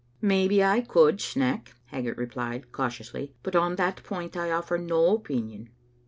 " Maybe I could, Sneck," Haggart replied, cautiously; "but on that point I offer no opinion."